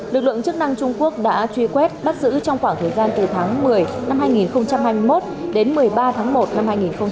lực lượng chức năng trung quốc đã truy quét bắt giữ trong khoảng thời gian từ tháng một mươi năm hai nghìn hai mươi một đến một mươi ba tháng một năm hai nghìn hai mươi ba